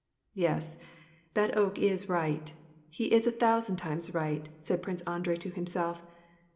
" Yes, that oak is right, he is a thousand times right,'* said Prince Andrei to himself.